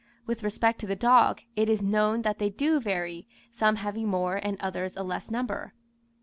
With respect to the dog, it is known that they do vary, some having more, and others a less number.